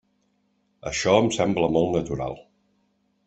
Això em sembla molt natural.